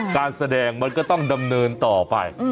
การแสดงมันก็ต้องดำเนินต่อไป